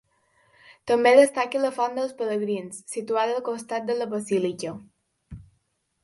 També destaca la Font dels Pelegrins, situada al costat de la basílica.